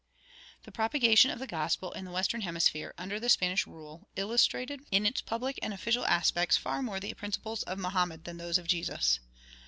The propagation of the gospel in the western hemisphere, under the Spanish rule, illustrated in its public and official aspects far more the principles of Mohammed than those of Jesus.